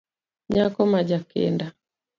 Nyako ma jakinda